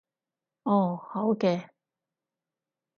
哦，好嘅